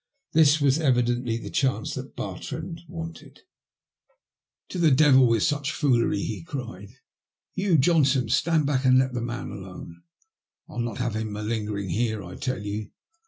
This was evidently the chance Bartram wanted. 10 THE LUST OF HATB. " To the devil with such foolery," he cried, " You, Johnstone, stand back and let the man alone. I'll not have him malingering here, I tell yon.